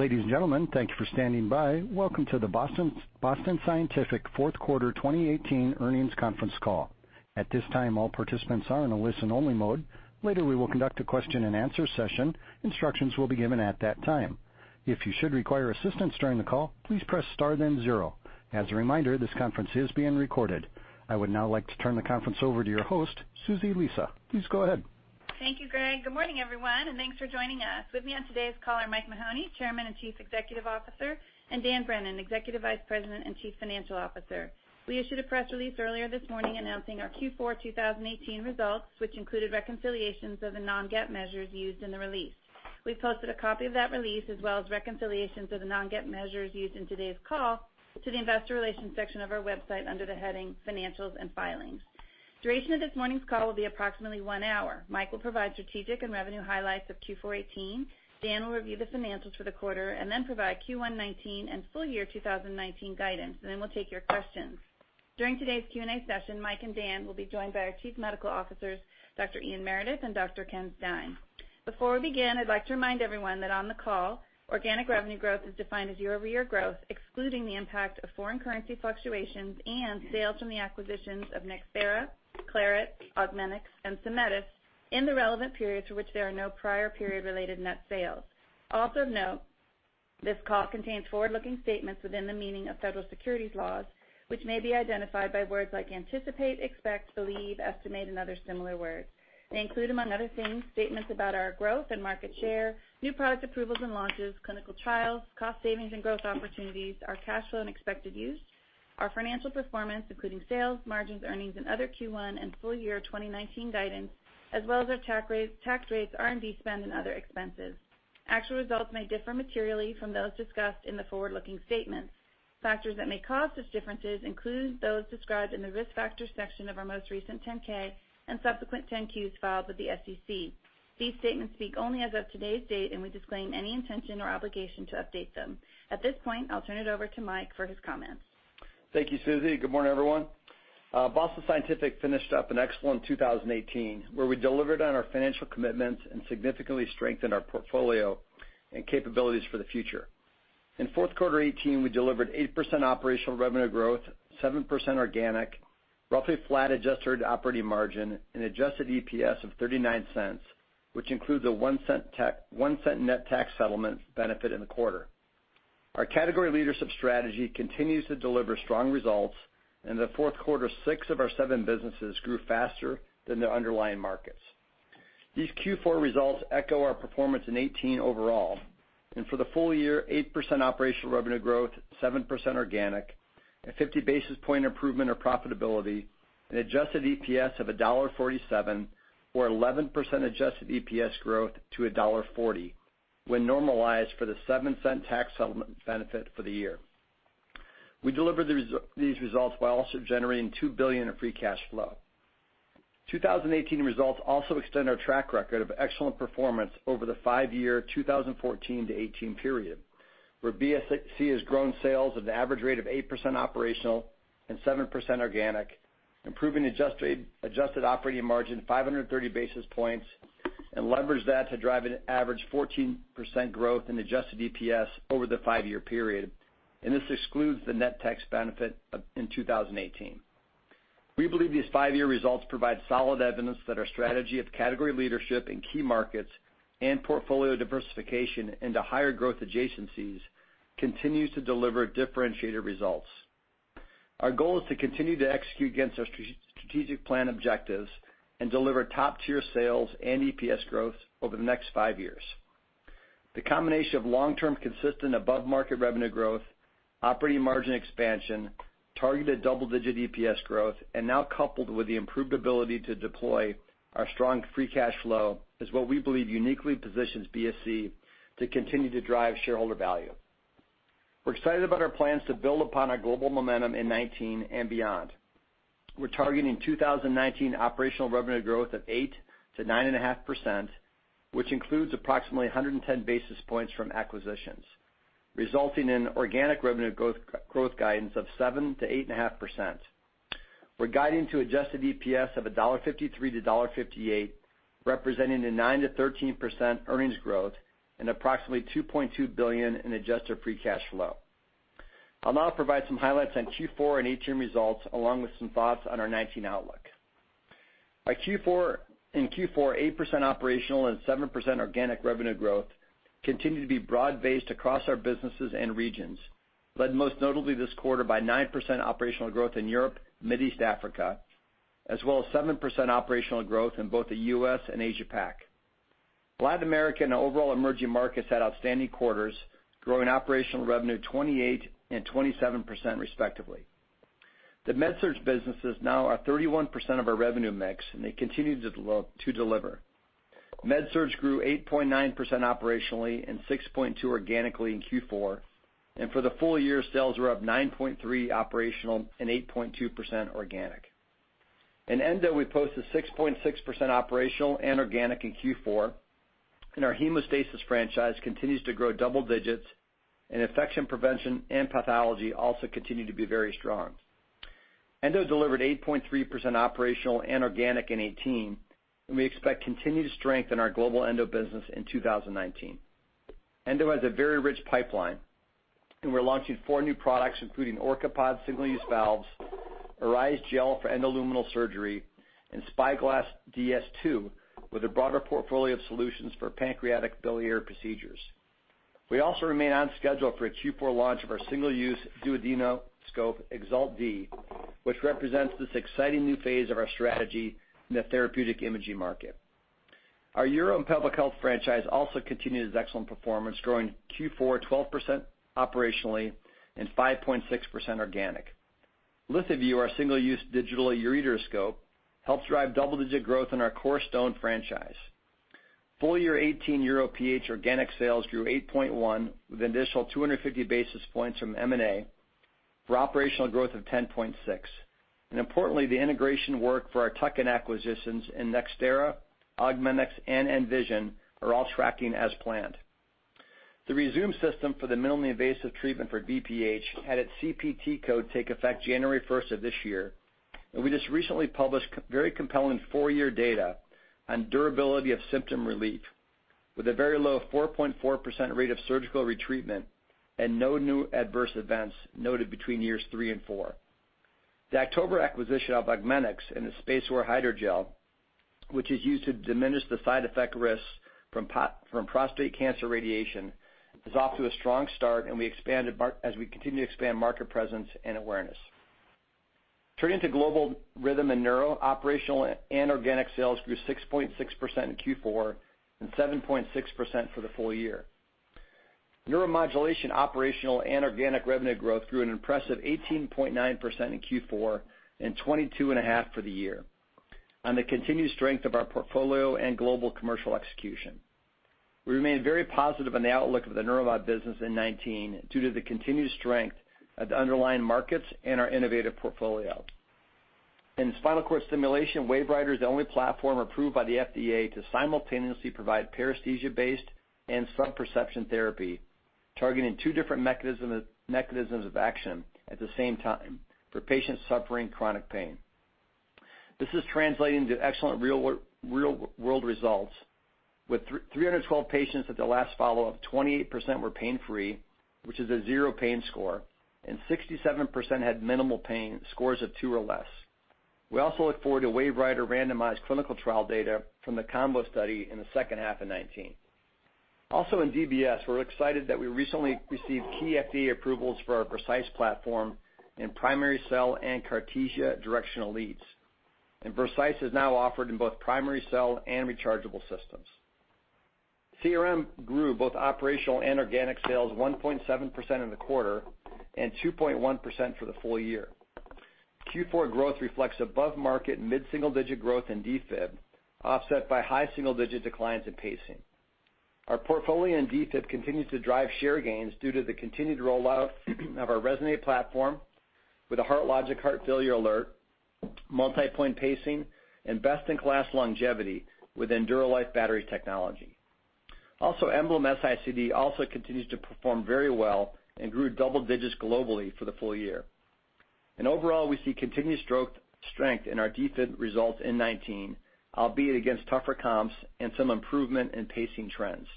Ladies and gentlemen, thank you for standing by. Welcome to the Boston Scientific Fourth Quarter 2018 Earnings Conference Call. At this time, all participants are in a listen-only mode. Later, we will conduct a question and answer session. Instructions will be given at that time. If you should require assistance during the call, please press star then zero. As a reminder, this conference is being recorded. I would now like to turn the conference over to your host, Susie Lisa. Please go ahead. Thank you, Greg. Good morning, everyone, thanks for joining us. With me on today's call are Mike Mahoney, Chairman and Chief Executive Officer, and Dan Brennan, Executive Vice President and Chief Financial Officer. We issued a press release earlier this morning announcing our Q4 2018 results, which included reconciliations of the non-GAAP measures used in the release. We've posted a copy of that release, as well as reconciliations of the non-GAAP measures used in today's call to the investor relations section of our website under the heading Financials and Filings. Duration of this morning's call will be approximately one hour. Mike will provide strategic and revenue highlights of Q4 2018. Dan will review the financials for the quarter and then provide Q1 2019 and full year 2019 guidance, and then we'll take your questions. During today's Q&A session, Mike and Dan will be joined by our Chief Medical Officers, Dr. Ian Meredith and Dr. Ken Stein. Before we begin, I'd like to remind everyone that on the call, organic revenue growth is defined as year-over-year growth, excluding the impact of foreign currency fluctuations and sales from the acquisitions of NxThera, Claret, Augmenix, and Symetis in the relevant periods for which there are no prior period-related net sales. Also note, this call contains forward-looking statements within the meaning of federal securities laws, which may be identified by words like anticipate, expect, believe, estimate, and other similar words. They include, among other things, statements about our growth and market share, new product approvals and launches, clinical trials, cost savings and growth opportunities, our cash flow and expected use, our financial performance, including sales, margins, earnings and other Q1 and full year 2019 guidance, as well as our tax rates, R&D spend, and other expenses. Actual results may differ materially from those discussed in the forward-looking statements. Factors that may cause these differences include those described in the Risk Factors section of our most recent 10-K and subsequent 10-Qs filed with the SEC. These statements speak only as of today's date. We disclaim any intention or obligation to update them. At this point, I'll turn it over to Mike for his comments. Thank you, Susie. Good morning, everyone. Boston Scientific finished up an excellent 2018, where we delivered on our financial commitments and significantly strengthened our portfolio and capabilities for the future. In fourth quarter 2018, we delivered 8% operational revenue growth, 7% organic, roughly flat adjusted operating margin, and adjusted EPS of $0.39, which includes a $0.01 net tax settlement benefit in the quarter. Our category leadership strategy continues to deliver strong results. In the fourth quarter, six of our seven businesses grew faster than their underlying markets. These Q4 results echo our performance in 2018 overall, and for the full year, 8% operational revenue growth, 7% organic, a 50 basis point improvement of profitability, an adjusted EPS of $1.47 or 11% adjusted EPS growth to $1.40 when normalized for the $0.07 tax settlement benefit for the year. We delivered these results while also generating $2 billion of free cash flow. 2018 results also extend our track record of excellent performance over the five-year 2014-2018 period, where BSC has grown sales at an average rate of 8% operational and 7% organic, improving adjusted operating margin 530 basis points, and leveraged that to drive an average 14% growth in adjusted EPS over the five-year period. This excludes the net tax benefit in 2018. We believe these five-year results provide solid evidence that our strategy of category leadership in key markets and portfolio diversification into higher growth adjacencies continues to deliver differentiated results. Our goal is to continue to execute against our strategic plan objectives and deliver top-tier sales and EPS growth over the next five years. The combination of long-term consistent above-market revenue growth, operating margin expansion, targeted double-digit EPS growth, and now coupled with the improved ability to deploy our strong free cash flow, is what we believe uniquely positions BSC to continue to drive shareholder value. We're excited about our plans to build upon our global momentum in 2019 and beyond. We're targeting 2019 operational revenue growth of 8%-9.5%, which includes approximately 110 basis points from acquisitions, resulting in organic revenue growth guidance of 7%-8.5%. We're guiding to adjusted EPS of $1.53-$1.58, representing a 9%-13% earnings growth and approximately $2.2 billion in adjusted free cash flow. I'll now provide some highlights on Q4 and 2018 results, along with some thoughts on our 2019 outlook. In Q4, 8% operational and 7% organic revenue growth continued to be broad-based across our businesses and regions, led most notably this quarter by 9% operational growth in Europe, Middle East Africa, as well as 7% operational growth in both the U.S. and Asia-Pac. Latin America and overall emerging markets had outstanding quarters, growing operational revenue 28% and 27% respectively. The MedSurg businesses now are 31% of our revenue mix. They continue to deliver. MedSurg grew 8.9% operationally and 6.2% organically in Q4, and for the full year, sales were up 9.3% operational and 8.2% organic. In endo, we posted 6.6% operational and organic in Q4. Our hemostasis franchise continues to grow double digits. Infection prevention and pathology also continue to be very strong. Endo delivered 8.3% operational and organic in 2018. We expect continued strength in our global endo business in 2019. Endo has a very rich pipeline, we're launching four new products, including OrcaPod single-use valves, ORISE Gel for endoluminal surgery, and SpyGlass DS II with a broader portfolio of solutions for pancreatic biliary procedures. We also remain on schedule for a Q4 launch of our single-use duodenoscope, EXALT Model D, which represents this exciting new phase of our strategy in the therapeutic imaging market. Our UroPH franchise also continued its excellent performance, growing Q4 12% operationally and 5.6% organic. LithoVue, our single-use digital ureteroscope, helped drive double-digit growth in our core stone franchise. Full year 2018 UroPH organic sales grew 8.1% with an additional 250 basis points from M&A for operational growth of 10.6%. Importantly, the integration work for our tuck-in acquisitions in NxThera, Augmenix, and nVision are all tracking as planned. The Rezūm system for the minimally invasive treatment for BPH had its CPT code take effect January 1st of this year. We just recently published very compelling four-year data on durability of symptom relief with a very low 4.4% rate of surgical retreatment and no new adverse events noted between years three and four. The October acquisition of Augmenix and the SpaceOAR hydrogel, which is used to diminish the side effect risks from prostate cancer radiation, is off to a strong start as we continue to expand market presence and awareness. Turning to global Rhythm and Neuro, operational and organic sales grew 6.6% in Q4 and 7.6% for the full year. Neuromodulation operational and organic revenue growth grew an impressive 18.9% in Q4 and 22.5% for the year on the continued strength of our portfolio and global commercial execution. We remain very positive on the outlook of the NeuroMod business in 2019 due to the continued strength of the underlying markets and our innovative portfolio. In spinal cord stimulation, WaveWriter is the only platform approved by the FDA to simultaneously provide paresthesia-based and sub-perception therapy, targeting two different mechanisms of action at the same time for patients suffering chronic pain. This is translating to excellent real-world results. With 312 patients at the last follow-up, 28% were pain-free, which is a zero pain score, and 67% had minimal pain, scores of two or less. We also look forward to WaveWriter randomized clinical trial data from the COMBO study in the second half of 2019. In DBS, we're excited that we recently received key FDA approvals for our Vercise platform in primary cell and Cartesia directional leads. Vercise is now offered in both primary cell and rechargeable systems. CRM grew both operational and organic sales 1.7% in the quarter and 2.1% for the full year. Q4 growth reflects above-market mid-single-digit growth in defib, offset by high single-digit declines in pacing. Our portfolio in defib continues to drive share gains due to the continued rollout of our Resonate platform with a HeartLogic heart failure alert, multi-point pacing, and best-in-class longevity with EnduraLife Battery Technology. EMBLEM S-ICD continues to perform very well and grew double digits globally for the full year. Overall, we see continued strength in our defib results in 2019, albeit against tougher comps and some improvement in pacing trends.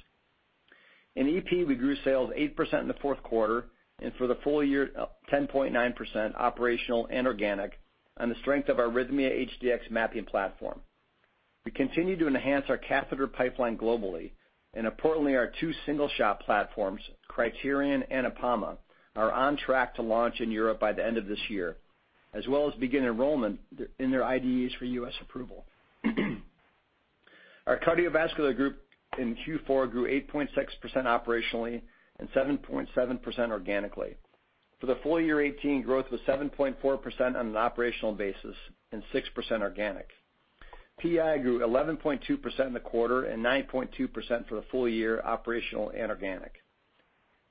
In EP, we grew sales 8% in the fourth quarter, and for the full year, 10.9% operational and organic on the strength of our RHYTHMIA HDx mapping platform. We continue to enhance our catheter pipeline globally. Importantly, our two single-shot platforms, Cryterion and Apama, are on track to launch in Europe by the end of this year, as well as begin enrollment in their IDEs for US approval. Our cardiovascular group in Q4 grew 8.6% operationally and 7.7% organically. For the full year 2018, growth was 7.4% on an operational basis and 6% organic. PI grew 11.2% in the quarter and 9.2% for the full year, operational and organic.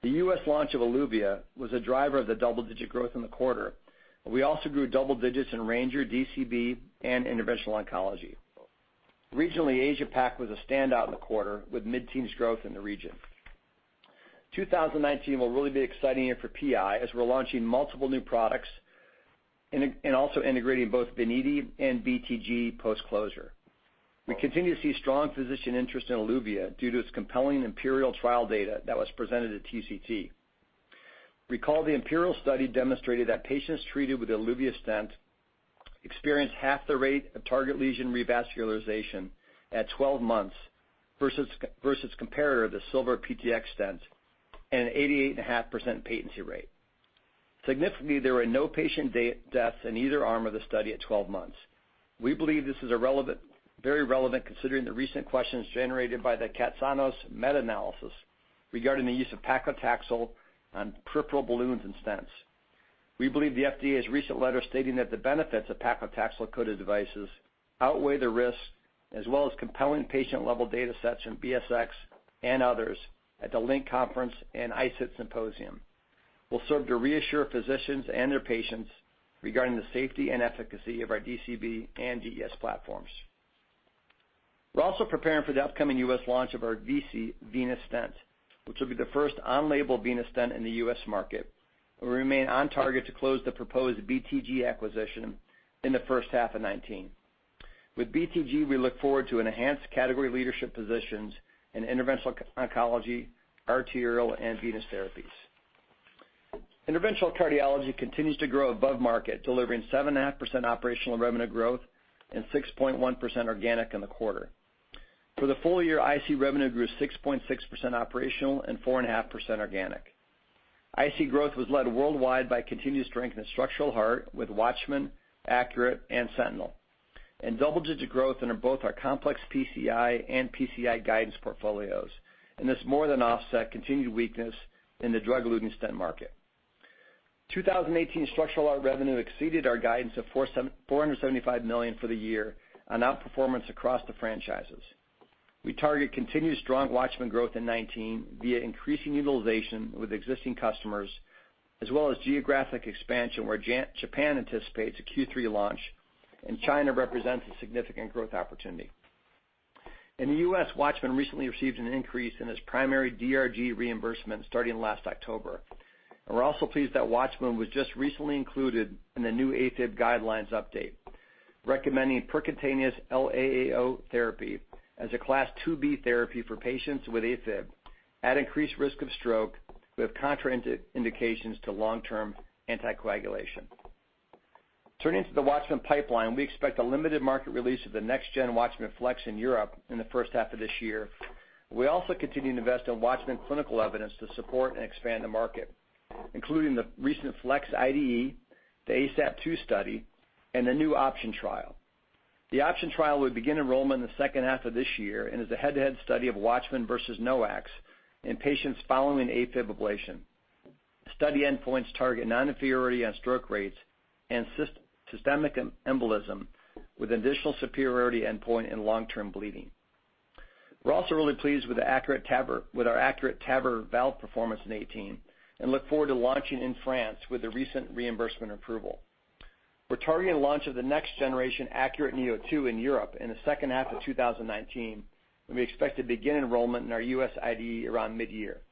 The US launch of Eluvia was a driver of the double-digit growth in the quarter, but we also grew double digits in Ranger DCB and interventional oncology. Regionally, Asia-PAC was a standout in the quarter with mid-teens growth in the region. 2019 will really be an exciting year for PI as we are launching multiple new products and also integrating both Veniti and BTG post-closure. We continue to see strong physician interest in Eluvia due to its compelling IMPERIAL trial data that was presented at TCT. Recall the IMPERIAL study demonstrated that patients treated with the Eluvia stent experienced half the rate of target lesion revascularization at 12 months versus comparator, the Zilver PTX stent, and an 88.5% patency rate. Significantly, there were no patient deaths in either arm of the study at 12 months. We believe this is very relevant considering the recent questions generated by the Katsanos meta-analysis regarding the use of paclitaxel on peripheral balloons and stents. We believe the FDA's recent letter stating that the benefits of paclitaxel-coated devices outweigh the risks, as well as compelling patient-level data sets in BSX and others at the LINC Conference and SITE Symposium, will serve to reassure physicians and their patients regarding the safety and efficacy of our DCB and DES platforms. We are also preparing for the upcoming US launch of our VICI venous stent, which will be the first on-label venous stent in the U.S. market. We remain on target to close the proposed BTG acquisition in the first half of 2019. With BTG, we look forward to enhanced category leadership positions in interventional oncology, arterial, and venous therapies. Interventional cardiology continues to grow above market, delivering 7.5% operational revenue growth and 6.1% organic in the quarter. For the full year, IC revenue grew 6.6% operational and 4.5% organic. IC growth was led worldwide by continued strength in structural heart with WATCHMAN, ACURATE, and SENTINEL, and double-digit growth in both our complex PCI and PCI guidance portfolios, and this more than offset continued weakness in the drug-eluting stent market. 2018 structural heart revenue exceeded our guidance of $475 million for the year, an outperformance across the franchises. We target continued strong WATCHMAN growth in 2019 via increasing utilization with existing customers, as well as geographic expansion, where Japan anticipates a Q3 launch and China represents a significant growth opportunity. In the U.S., WATCHMAN recently received an increase in its primary DRG reimbursement starting last October. We are also pleased that WATCHMAN was just recently included in the new AFib guidelines update, recommending percutaneous LAAO therapy as a Class 2B therapy for patients with AFib at increased risk of stroke with contraindications to long-term anticoagulation. Turning to the WATCHMAN pipeline, we expect a limited market release of the next-gen WATCHMAN FLX in Europe in the first half of this year. We also continue to invest in WATCHMAN clinical evidence to support and expand the market, including the recent FLX IDE, the ASAP-TOO study, and the new OPTION trial. The OPTION trial will begin enrollment in the second half of this year and is a head-to-head study of WATCHMAN versus NOACs in patients following AFib ablation. Study endpoints target non-inferiority on stroke rates and systemic embolism with additional superiority endpoint in long-term bleeding. We're also really pleased with our ACURATE TAVR valve performance in 2018 and look forward to launching in France with the recent reimbursement approval. We're targeting launch of the next generation ACURATE neo2 in Europe in the second half of 2019, and we expect to begin enrollment in our US IDE around mid-year.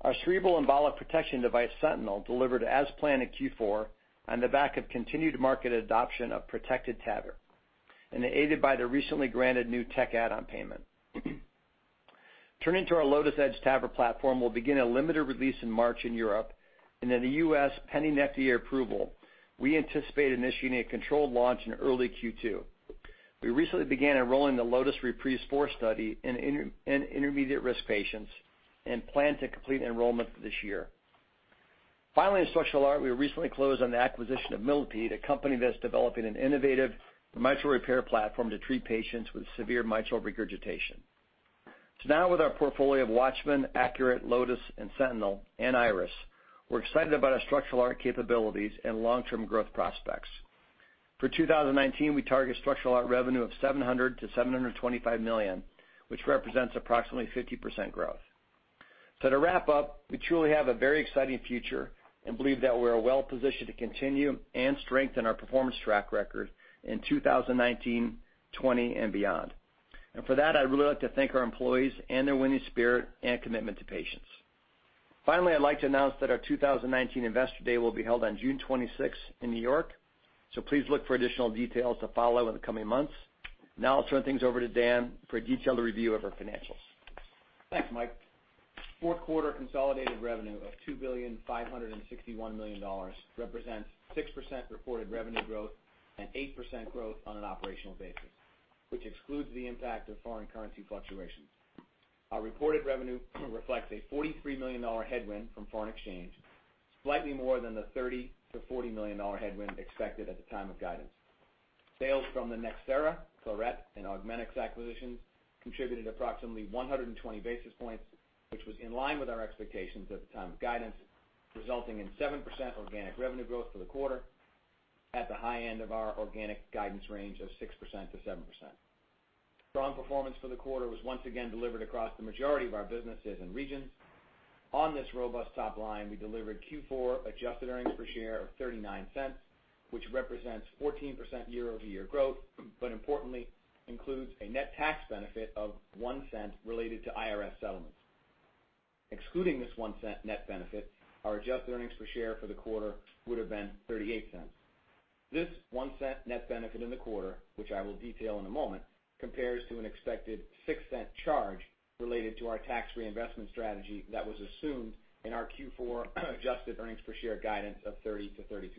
Our cerebral embolic protection device, SENTINEL, delivered as planned in Q4 on the back of continued market adoption of Protected TAVR and aided by the recently granted New Technology Add-on Payment. Turning to our Lotus Edge TAVR platform, we'll begin a limited release in March in Europe, and in the U.S., pending FDA approval, we anticipate initiating a controlled launch in early Q2. We recently began enrolling the Lotus REPRISE IV study in intermediate-risk patients and plan to complete enrollment this year. Finally, in structural heart, we recently closed on the acquisition of Millipede, a company that's developing an innovative mitral repair platform to treat patients with severe mitral regurgitation. Now with our portfolio of WATCHMAN, ACURATE, Lotus, and SENTINEL, and Iris, we're excited about our structural heart capabilities and long-term growth prospects. For 2019, we target structural heart revenue of $700 million-$725 million, which represents approximately 50% growth. To wrap up, we truly have a very exciting future and believe that we are well-positioned to continue and strengthen our performance track record in 2019, 2020, and beyond. For that, I'd really like to thank our employees and their winning spirit and commitment to patients. Finally, I'd like to announce that our 2019 Investor Day will be held on June 26 in New York, so please look for additional details to follow in the coming months. Now I'll turn things over to Dan for a detailed review of our financials. Thanks, Mike. Fourth quarter consolidated revenue of $2.561 billion represents 6% reported revenue growth and 8% growth on an operational basis, which excludes the impact of foreign currency fluctuations. Our reported revenue reflects a $43 million headwind from foreign exchange, slightly more than the $30 million-$40 million headwind expected at the time of guidance. Sales from the NxThera, Claret, and Augmenix acquisitions contributed approximately 120 basis points, which was in line with our expectations at the time of guidance, resulting in 7% organic revenue growth for the quarter at the high end of our organic guidance range of 6%-7%. Strong performance for the quarter was once again delivered across the majority of our businesses and regions. On this robust top line, we delivered Q4 adjusted earnings per share of $0.39, which represents 14% year-over-year growth, importantly includes a net tax benefit of $0.01 related to IRS settlements. Excluding this $0.01 net benefit, our adjusted earnings per share for the quarter would've been $0.38. This $0.01 net benefit in the quarter, which I will detail in a moment, compares to an expected $0.06 charge related to our tax reinvestment strategy that was assumed in our Q4 adjusted earnings per share guidance of $0.30-$0.32.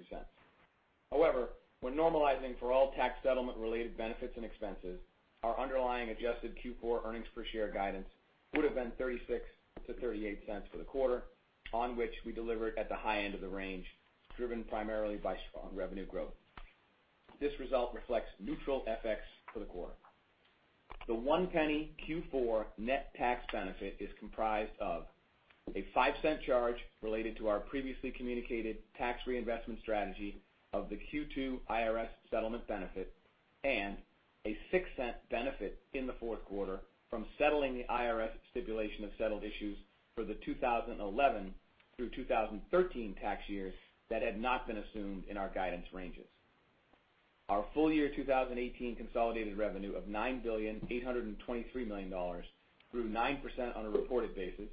However when normalizing for all tax settlement-related benefits and expenses, our underlying adjusted Q4 earnings per share guidance would have been $0.36-$0.38 for the quarter, on which we delivered at the high end of the range, driven primarily by strong revenue growth. This result reflects neutral FX for the quarter. The $0.01 Q4 net tax benefit is comprised of a $0.05 charge related to our previously communicated tax reinvestment strategy of the Q2 IRS settlement benefit and a $0.06 benefit in the fourth quarter from settling the IRS stipulation of settled issues for the 2011 through 2013 tax years that had not been assumed in our guidance range. Our full-year 2018 consolidated revenue of $9.823 billion grew 9% on a reported basis,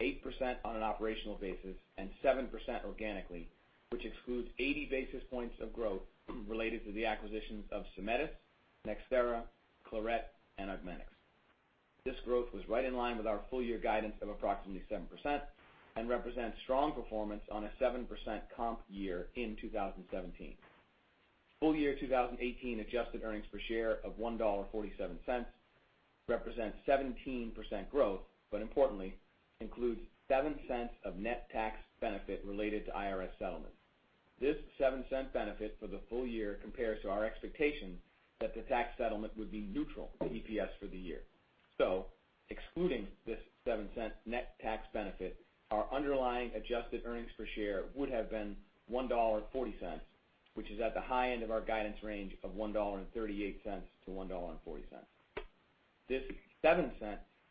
8% on an operational basis, and 7% organically, which excludes 80 basis points of growth related to the acquisitions of Symetis, NxThera, Claret, and Augmenix. This growth was right in line with our full-year guidance of approximately 7% and represents strong performance on a 7% comp year in 2017. Full-year 2018 adjusted earnings per share of $1.47 represents 17% growth, importantly includes $0.07 of net tax benefit related to IRS settlement. This $0.07 benefit for the full year compares to our expectation that the tax settlement would be neutral to EPS for the year. Excluding this $0.07 net tax benefit, our underlying adjusted earnings per share would have been $1.40, which is at the high end of our guidance range of $1.38-$1.40. This $0.07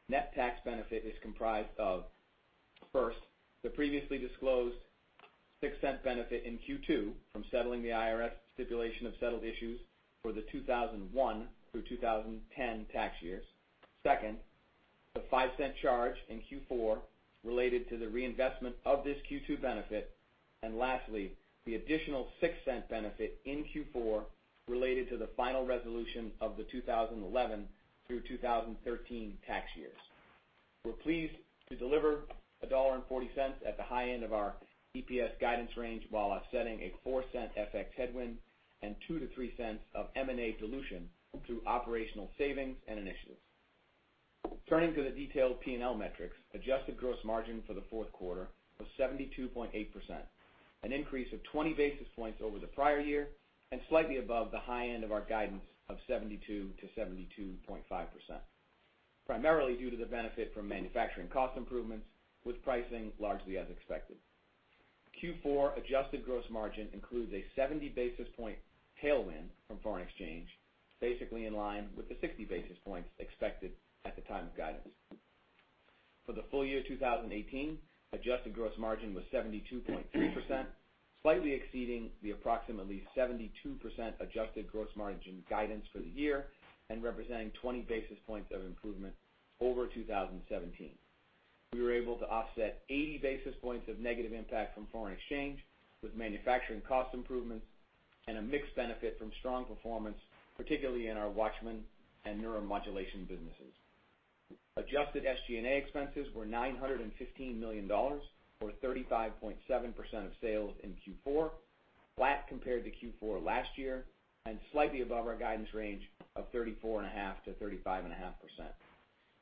net tax benefit is comprised of, first, the previously disclosed $0.06 benefit in Q2 from settling the IRS stipulation of settled issues for the 2001 through 2010 tax years. Second, the $0.05 charge in Q4 related to the reinvestment of this Q2 benefit. Lastly, the additional $0.06 benefit in Q4 related to the final resolution of the 2011 through 2013 tax years. We're pleased to deliver $1.40 at the high end of our EPS guidance range while offsetting a $0.04 FX headwind and $0.02-$0.03 of M&A dilution through operational savings and initiatives. Turning to the detailed P&L metrics, adjusted gross margin for the fourth quarter was 72.8%, an increase of 20 basis points over the prior year and slightly above the high end of our guidance of 72%-72.5%, primarily due to the benefit from manufacturing cost improvements with pricing largely as expected. Q4 adjusted gross margin includes a 70 basis point tailwind from foreign exchange, basically in line with the 60 basis points expected at the time of guidance. For the full-year 2018, adjusted gross margin was 72.3%, slightly exceeding the approximately 72% adjusted gross margin guidance for the year and representing 20 basis points of improvement over 2017. We were able to offset 80 basis points of negative impact from foreign exchange with manufacturing cost improvements and a mixed benefit from strong performance, particularly in our WATCHMAN and Neuromodulation businesses. Adjusted SG&A expenses were $915 million or 35.7% of sales in Q4, flat compared to Q4 last year and slightly above our guidance range of 34.5%-35.5%.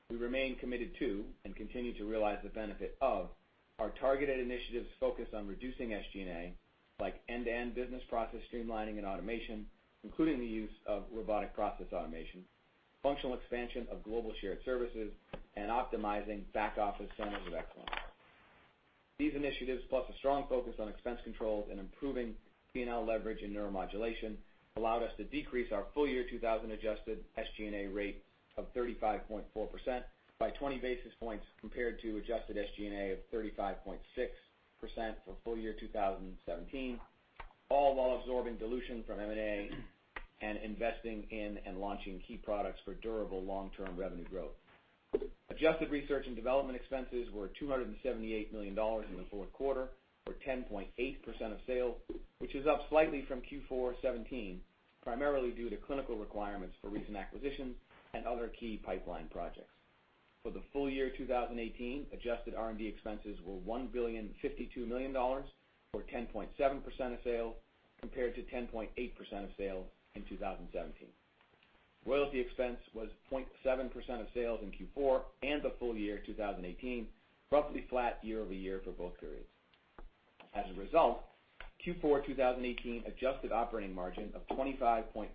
We remain committed to and continue to realize the benefit of our targeted initiatives focused on reducing SG&A, like end-to-end business process streamlining and automation, including the use of robotic process automation, functional expansion of global shared services, and optimizing back office centers of excellence. These initiatives, plus a strong focus on expense controls and improving P&L leverage in Neuromodulation, allowed us to decrease our full year 2018 adjusted SG&A rate of 35.4% by 20 basis points compared to adjusted SG&A of 35.6% for full year 2017, all while absorbing dilution from M&A and investing in and launching key products for durable long-term revenue growth. Adjusted research and development expenses were $278 million in the fourth quarter or 10.8% of sales, which is up slightly from Q4 2017, primarily due to clinical requirements for recent acquisitions and other key pipeline projects. For the full year 2018, adjusted R&D expenses were $1.052 billion or 10.7% of sales, compared to 10.8% of sales in 2017. Royalty expense was 0.7% of sales in Q4 and the full year 2018, roughly flat year-over-year for both periods. As a result, Q4 2018 adjusted operating margin of 25.5%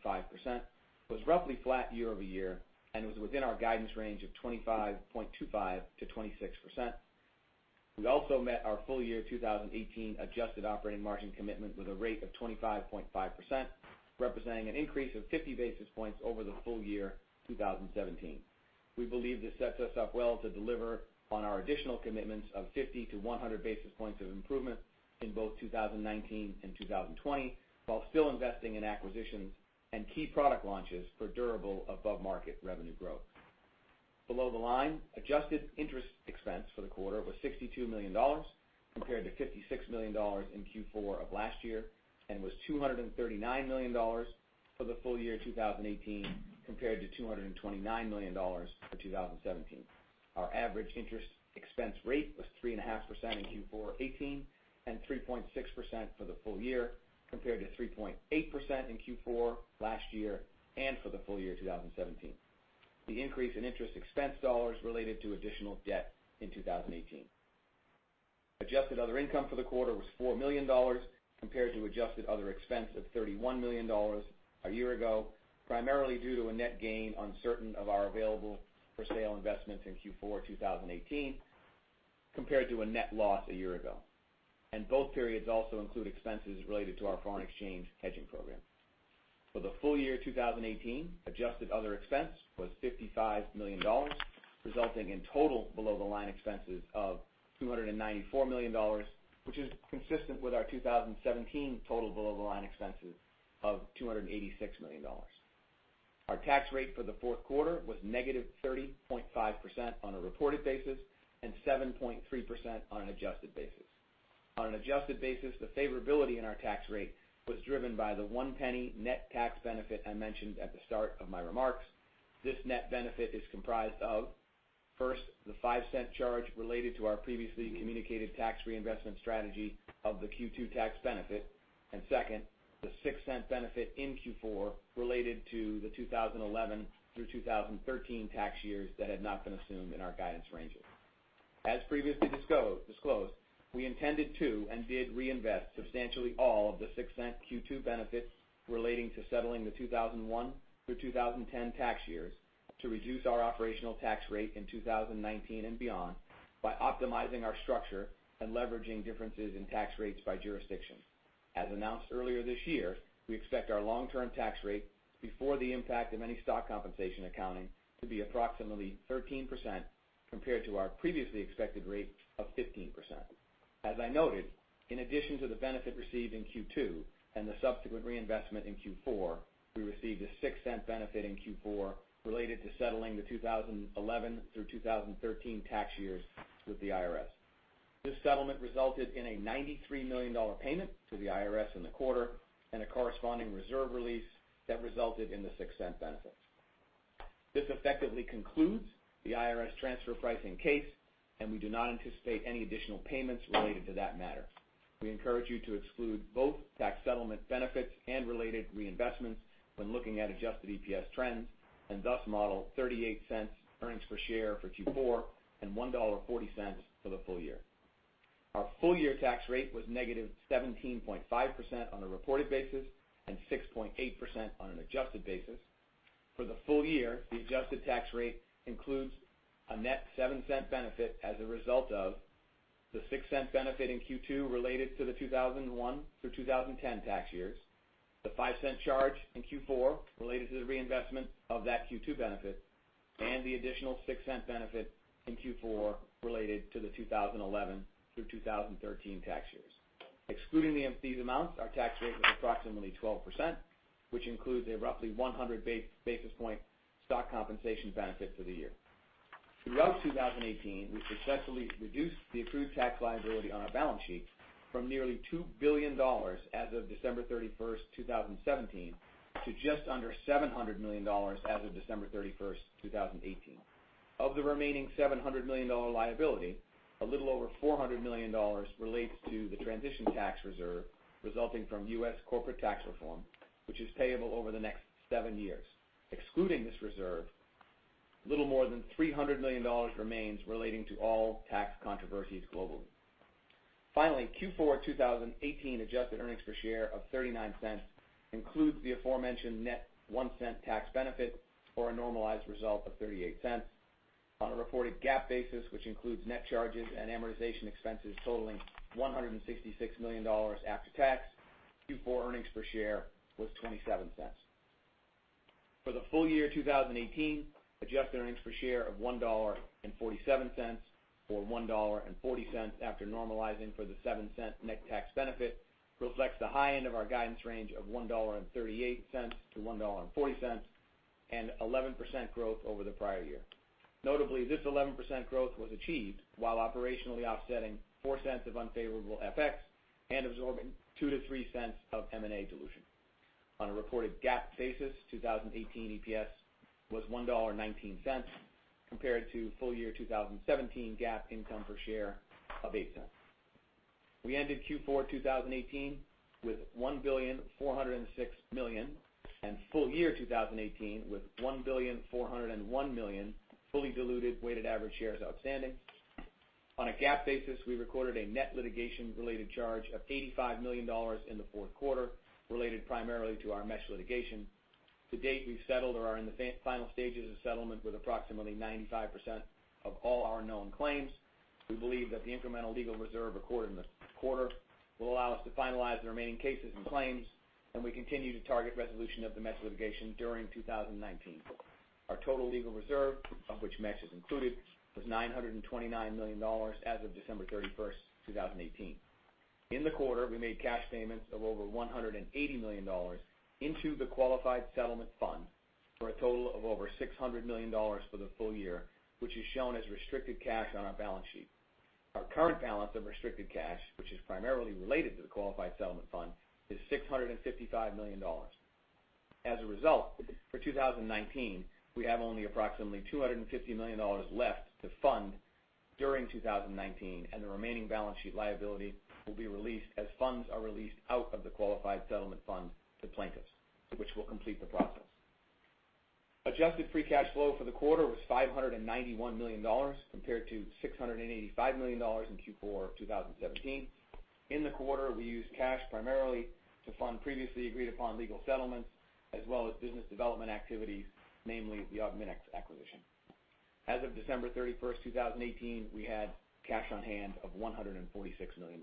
was roughly flat year-over-year and was within our guidance range of 25.25%-26%. We also met our full year 2018 adjusted operating margin commitment with a rate of 25.5%, representing an increase of 50 basis points over the full year 2017. We believe this sets us up well to deliver on our additional commitments of 50-100 basis points of improvement in both 2019 and 2020 while still investing in acquisitions and key product launches for durable above-market revenue growth. Below the line, adjusted interest expense for the quarter was $62 million compared to $56 million in Q4 of last year and was $239 million for the full year 2018 compared to $229 million for 2017. Our average interest expense rate was 3.5% in Q4 2018 and 3.6% for the full year compared to 3.8% in Q4 last year and for the full year 2017. The increase in interest expense dollars related to additional debt in 2018. Adjusted other income for the quarter was $4 million compared to adjusted other expense of $31 million a year ago, primarily due to a net gain on certain of our available-for-sale investments in Q4 2018 compared to a net loss a year ago. Both periods also include expenses related to our foreign exchange hedging program. For the full year 2018, adjusted other expense was $55 million, resulting in total below-the-line expenses of $294 million, which is consistent with our 2017 total below-the-line expenses of $286 million. Our tax rate for the fourth quarter was -30.5% on a reported basis and 7.3% on an adjusted basis. On an adjusted basis, the favorability in our tax rate was driven by the $0.01 net tax benefit I mentioned at the start of my remarks. This net benefit is comprised of, first, the $0.05 charge related to our previously communicated tax reinvestment strategy of the Q2 tax benefit. Second, the $0.06 benefit in Q4 related to the 2011-2013 tax years that had not been assumed in our guidance ranges. As previously disclosed, we intended to and did reinvest substantially all of the $0.06 Q2 benefits relating to settling the 2001-2010 tax years to reduce our operational tax rate in 2019 and beyond by optimizing our structure and leveraging differences in tax rates by jurisdiction. As announced earlier this year, we expect our long-term tax rate before the impact of any stock compensation accounting to be approximately 13%, compared to our previously expected rate of 15%. As I noted, in addition to the benefit received in Q2 and the subsequent reinvestment in Q4, we received a $0.06 benefit in Q4 related to settling the 2011-2013 tax years with the IRS. This settlement resulted in a $93 million payment to the IRS in the quarter and a corresponding reserve release that resulted in the $0.06 benefit. This effectively concludes the IRS transfer pricing case, and we do not anticipate any additional payments related to that matter. We encourage you to exclude both tax settlement benefits and related reinvestments when looking at adjusted EPS trends, and thus model $0.38 earnings per share for Q4 and $1.40 for the full year. Our full-year tax rate was -17.5% on a reported basis and 6.8% on an adjusted basis. For the full year, the adjusted tax rate includes a net $0.07 benefit as a result of the $0.06 benefit in Q2 related to the 2001-2010 tax years, the $0.05 charge in Q4 related to the reinvestment of that Q2 benefit, and the additional $0.06 benefit in Q4 related to the 2011-2013 tax years. Excluding these amounts, our tax rate was approximately 12%, which includes a roughly 100-basis point stock compensation benefit for the year. Throughout 2018, we successfully reduced the accrued tax liability on our balance sheet from nearly $2 billion as of December 31st, 2017, to just under $700 million as of December 31st, 2018. Of the remaining $700 million liability, a little over $400 million relates to the transition tax reserve resulting from US corporate tax reform, which is payable over the next seven years. Excluding this reserve, a little more than $300 million remains relating to all tax controversies globally. Finally, Q4 2018 adjusted earnings per share of $0.39 includes the aforementioned net $0.01 tax benefit or a normalized result of $0.38. On a reported GAAP basis, which includes net charges and amortization expenses totaling $166 million after tax, Q4 earnings per share was $0.27. For the full year 2018, adjusted earnings per share of $1.47 or $1.40 after normalizing for the $0.07 net tax benefit reflects the high end of our guidance range of $1.38-$1.40, and 11% growth over the prior year. Notably, this 11% growth was achieved while operationally offsetting $0.04 of unfavorable FX and absorbing $0.02-$0.03 of M&A dilution. On a reported GAAP basis, 2018 EPS was $1.19 compared to full year 2017 GAAP income per share of $0.08. We ended Q4 2018 with 1.406 billion and full year 2018 with 1.401 billion fully diluted weighted average shares outstanding. On a GAAP basis, we recorded a net litigation-related charge of $85 million in the fourth quarter related primarily to our mesh litigation. To date, we've settled or are in the final stages of settlement with approximately 95% of all our known claims. We believe that the incremental legal reserve recorded in the quarter will allow us to finalize the remaining cases and claims, and we continue to target resolution of the mesh litigation during 2019. Our total legal reserve, of which mesh is included, was $929 million as of December 31st, 2018. In the quarter, we made cash payments of over $180 million into the qualified settlement fund for a total of over $600 million for the full year, which is shown as restricted cash on our balance sheet. Our current balance of restricted cash, which is primarily related to the qualified settlement fund, is $655 million. As a result for 2019, we have only approximately $250 million left to fund during 2019, and the remaining balance sheet liability will be released as funds are released out of the qualified settlement fund to plaintiffs, which will complete the process. Adjusted free cash flow for the quarter was $591 million compared to $685 million in Q4 2017. In the quarter, we used cash primarily to fund previously agreed-upon legal settlements as well as business development activities, namely the Augmenix acquisition. As of December 31st, 2018, we had cash on hand of $146 million.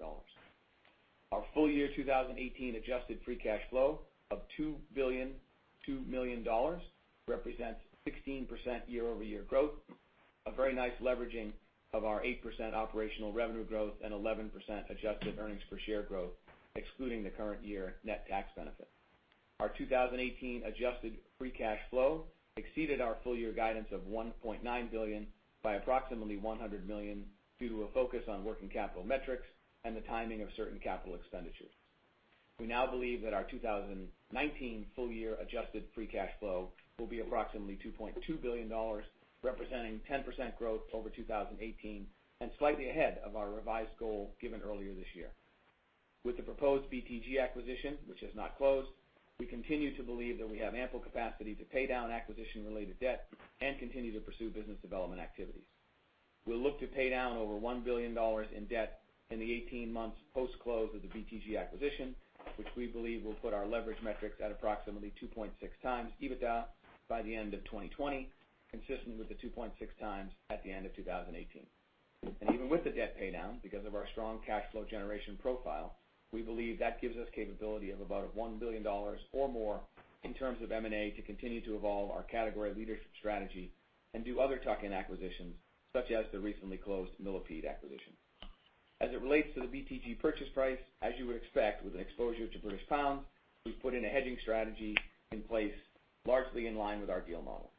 Our full year 2018 adjusted free cash flow of $2.002 billion represents 16% year-over-year growth. A very nice leveraging of our 8% operational revenue growth and 11% adjusted earnings per share growth, excluding the current year net tax benefit. Our 2018 adjusted free cash flow exceeded our full year guidance of $1.9 billion by approximately $100 million due to a focus on working capital metrics and the timing of certain capital expenditures. We now believe that our 2019 full year adjusted free cash flow will be approximately $2.2 billion, representing 10% growth over 2018 and slightly ahead of our revised goal given earlier this year. With the proposed BTG acquisition, which has not closed, we continue to believe that we have ample capacity to pay down acquisition-related debt and continue to pursue business development activities. We'll look to pay down over $1 billion in debt in the 18 months post-close of the BTG acquisition, which we believe will put our leverage metrics at approximately 2.6x EBITDA by the end of 2020, consistent with the 2.6x at the end of 2018. Even with the debt paydown, because of our strong cash flow generation profile, we believe that gives us capability of about $1 billion or more in terms of M&A to continue to evolve our category leadership strategy and do other tuck-in acquisitions, such as the recently closed Millipede acquisition. As it relates to the BTG purchase price, as you would expect with an exposure to British pounds, we've put in a hedging strategy in place largely in line with our deal model.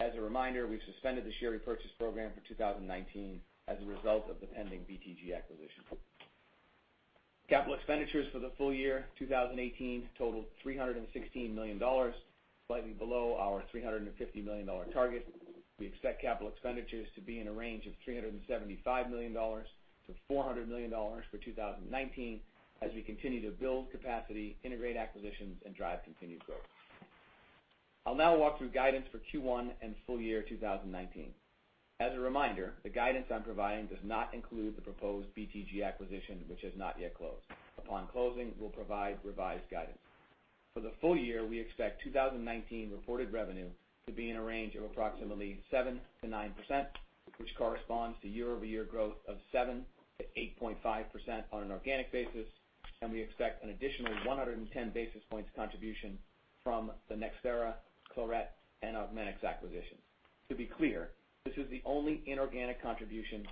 As a reminder, we've suspended the share repurchase program for 2019 as a result of the pending BTG acquisition. Capital expenditures for the full year 2018 totaled $316 million, slightly below our $350 million target. We expect capital expenditures to be in a range of $375 million-$400 million for 2019 as we continue to build capacity, integrate acquisitions, and drive continued growth. I'll now walk through guidance for Q1 and full year 2019. As a reminder, the guidance I'm providing does not include the proposed BTG acquisition, which has not yet closed. Upon closing, we'll provide revised guidance. For the full year, we expect 2019 reported revenue to be in a range of approximately 7%-9%, which corresponds to year-over-year growth of 7%-8.5% on an organic basis, and we expect an additional 110 basis points contribution from the NxThera, Claret, and Augmenix acquisitions. To be clear, this is the only inorganic contribution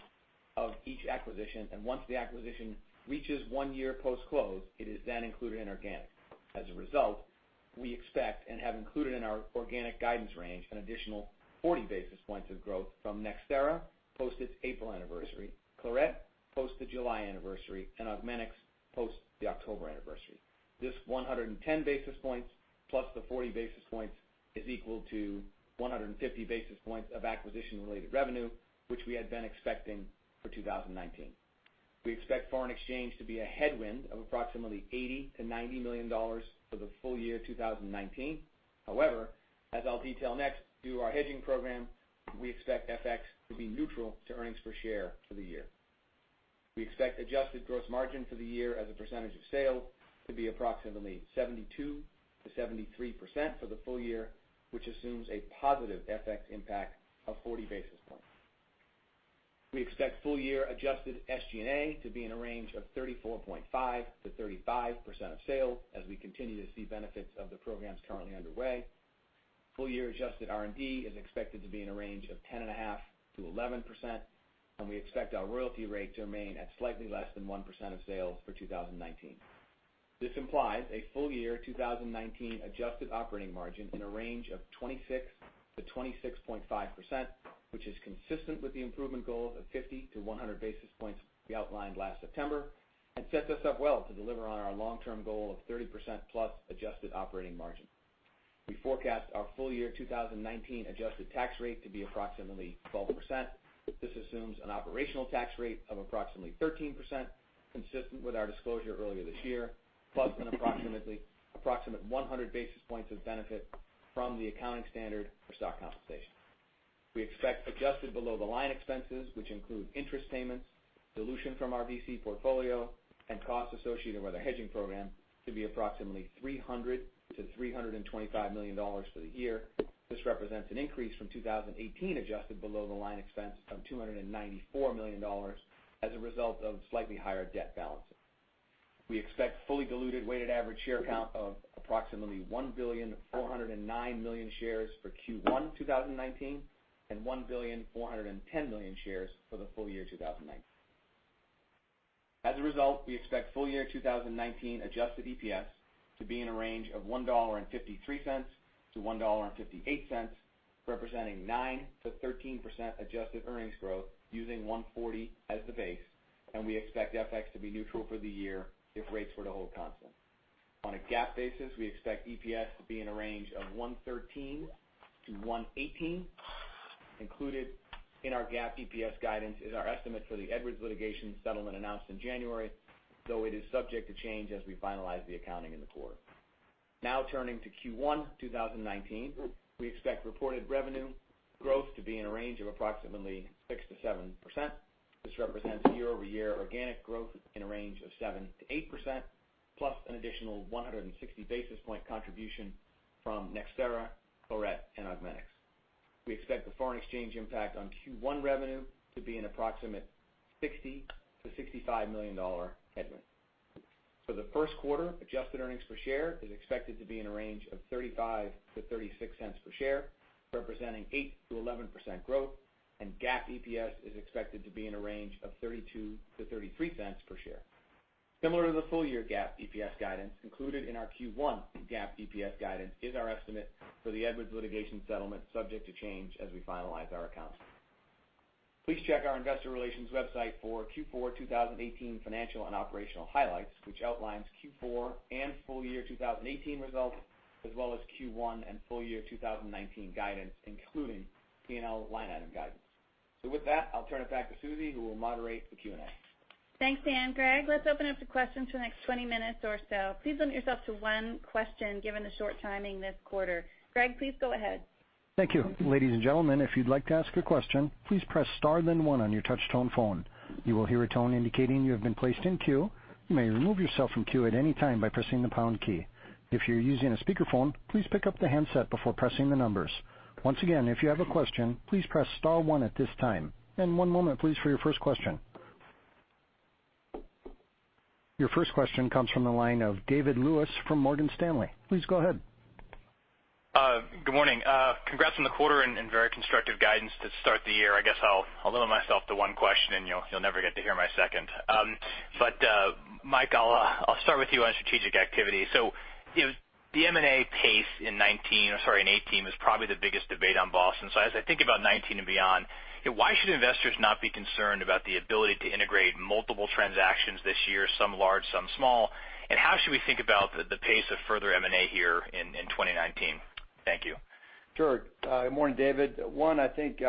of each acquisition, and once the acquisition reaches one year post-close, it is then included in organic. As a result we expect and have included in our organic guidance range an additional 40 basis points of growth from NxThera, post its April anniversary, Claret, post the July anniversary, and Augmenix, post the October anniversary. This 110 basis points plus the 40 basis points is equal to 150 basis points of acquisition-related revenue, which we had been expecting for 2019. We expect foreign exchange to be a headwind of approximately $80 million-$90 million for the full year 2019. However as I'll detail next, through our hedging program, we expect FX to be neutral to earnings per share for the year. We expect adjusted gross margin for the year as a percentage of sales to be approximately 72%-73% for the full year, which assumes a positive FX impact of 40 basis points. We expect full-year adjusted SG&A to be in a range of 34.5%-35% of sales as we continue to see benefits of the programs currently underway. Full-year adjusted R&D is expected to be in a range of 10.5%-11%, and we expect our royalty rate to remain at slightly less than 1% of sales for 2019.This implies a full-year 2019 adjusted operating margin in a range of 26%-26.5%, which is consistent with the improvement goal of 50-100 basis points we outlined last September and sets us up well to deliver on our long-term goal of 30%+ adjusted operating margin. We forecast our full-year 2019 adjusted tax rate to be approximately 12%. This assumes an operational tax rate of approximately 13%, consistent with our disclosure earlier this year, plus an approximate 100 basis points of benefit from the accounting standard for stock compensation. We expect adjusted below-the-line expenses, which include interest payments, dilution from our VC portfolio, and costs associated with our hedging program, to be approximately $300 million-$325 million for the year. This represents an increase from 2018 adjusted below-the-line expense of $294 million as a result of slightly higher debt balances. We expect fully diluted weighted average share count of approximately 1.409 billion shares for Q1 2019 and 1.410 billion shares for the full year 2019. As a result, we expect full-year 2019 adjusted EPS to be in a range of $1.53-$1.58, representing 9%-13% adjusted earnings growth using 140 as the base, and we expect FX to be neutral for the year if rates were to hold constant. On a GAAP basis, we expect EPS to be in a range of $1.13-$1.18. Included in our GAAP EPS guidance is our estimate for the Edwards litigation settlement announced in January, though it is subject to change as we finalize the accounting in the quarter. Turning to Q1 2019. We expect reported revenue growth to be in a range of approximately 6%-7%.This represents year-over-year organic growth in a range of 7%-8%, plus an additional 160 basis point contribution from NxThera, Claret, and Augmenix. We expect the foreign exchange impact on Q1 revenue to be an approximate $60 million-$65 million headwind. For the first quarter, adjusted earnings per share is expected to be in a range of $0.35-$0.36 per share, representing 8%-11% growth, and GAAP EPS is expected to be in a range of $0.32-$0.33 per share. Similar to the full-year GAAP EPS guidance, included in our Q1 GAAP EPS guidance is our estimate for the Edwards litigation settlement, subject to change as we finalize our accounts. Please check our investor relations website for Q4 2018 financial and operational highlights, which outlines Q4 and full year 2018 results, as well as Q1 and full year 2019 guidance, including P&L line item guidance. With that, I'll turn it back to Susie, who will moderate the Q&A. Thanks, Dan. Greg, let's open up to questions for the next 20 minutes or so. Please limit yourself to one question, given the short timing this quarter. Greg, please go ahead. Thank you. Ladies and gentlemen, if you'd like to ask a question, please press star then one on your touch-tone phone. You will hear a tone indicating you have been placed in queue. You may remove yourself from queue at any time by pressing the pound key. If you're using a speakerphone, please pick up the handset before pressing the numbers. Once again, if you have a question, please press star one at this time. One moment, please, for your first question. Your first question comes from the line of David Lewis from Morgan Stanley. Please go ahead. Good morning. Congrats on the quarter and very constructive guidance to start the year. I guess I'll limit myself to one question and you'll never get to hear my second. Mike, I'll start with you on strategic activity. The M&A pace in 2019, or sorry, in 2018, was probably the biggest debate on Boston. As I think about 2019 and beyond, why should investors not be concerned about the ability to integrate multiple transactions this year, some large, some small? How should we think about the pace of further M&A here in 2019? Thank you. Sure. Good morning, David. One, I think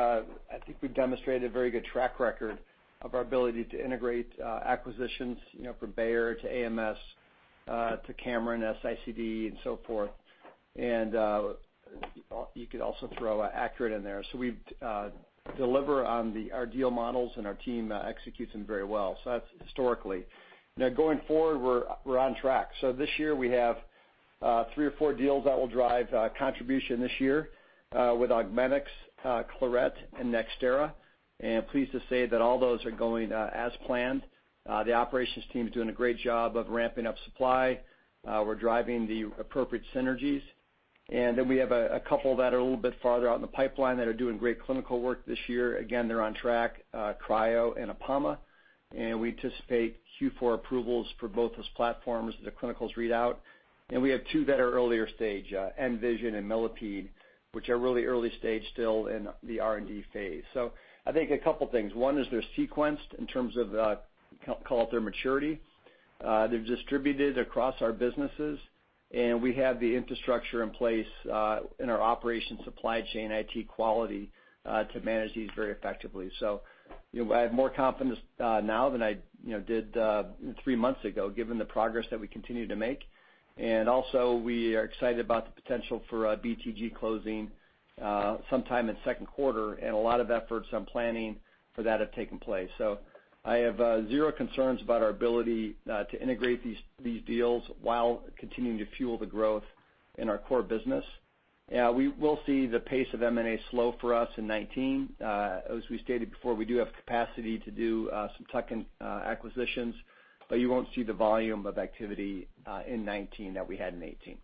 we've demonstrated a very good track record of our ability to integrate acquisitions, from Bayer to AMS, to Cameron, S-ICD, and so forth. You could also throw ACURATE in there. We deliver on our deal models, and our team executes them very well. That's historically. Now going forward, we're on track. This year we have three or four deals that will drive contribution this year with Augmenix, Claret, and NxThera, and pleased to say that all those are going as planned. The operations team is doing a great job of ramping up supply. We're driving the appropriate synergies. We have a couple that are a little bit farther out in the pipeline that are doing great clinical work this year. Again, they're on track, Cryterion and Apama, and we anticipate Q4 approvals for both those platforms as the clinicals read out. We have two that are earlier stage, nVision and Millipede, which are really early stage still in the R&D phase. I think a couple of things. One is they're sequenced in terms of call it their maturity. They're distributed across our businesses, and we have the infrastructure in place in our operations supply chain IT quality to manage these very effectively. I have more confidence now than I did three months ago, given the progress that we continue to make. And also we are excited about the potential for BTG closing sometime in second quarter, and a lot of efforts on planning for that have taken place. I have zero concerns about our ability to integrate these deals while continuing to fuel the growth in our core business. We will see the pace of M&A slow for us in 2019. As we stated before, we do have capacity to do some tuck-in acquisitions, you won't see the volume of activity in 2019 that we had in 2018.